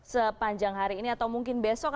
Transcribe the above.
sepanjang hari ini atau mungkin besok